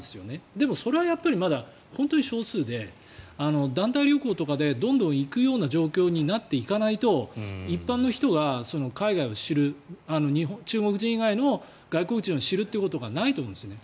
でも、それはまだ本当に少数で団体旅行とかでどんどん行くような状況になっていかないと一般の人が海外を知る中国人以外の外国人を知るっていうことがないと思うんですね。